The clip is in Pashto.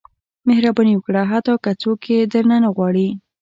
• مهرباني وکړه، حتی که څوک یې درنه نه غواړي.